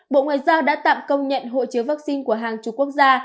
bộ ngoại giao đã tạm công nhận hộ chiếu vaccine của hàng chục quốc gia